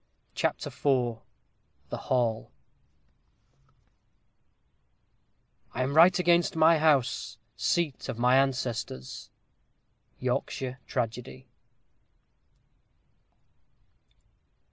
CHAPTER IV THE HALL I am right against my house seat of my ancestors. _Yorkshire Tragedy.